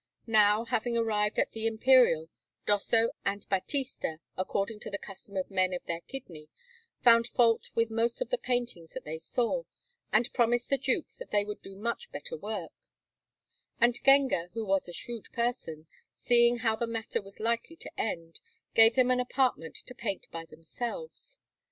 Now, having arrived at the Imperiale, Dosso and Battista, according to the custom of men of their kidney, found fault with most of the paintings that they saw, and promised the Duke that they would do much better work; and Genga, who was a shrewd person, seeing how the matter was likely to end, gave them an apartment to paint by themselves.